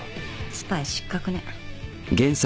スパイ失格ね。